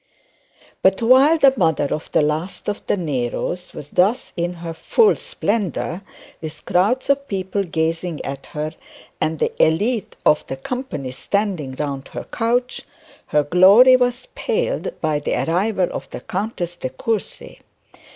But while the mother of the last of the Neros was thus in he full splendour, with crowds of people gazing at her and the elite of the company standing round her couch, her glory was paled by the arrival of the Countess De Courcy.